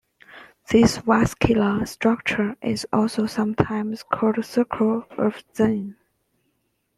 This vascular structure is also sometimes called "circle of Zinn".